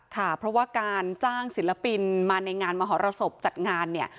ค่ะเพราะว่าการจ้างศิลปินมาในงานมหรสบจัดงานเนี่ย